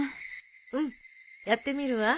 うんやってみるわ。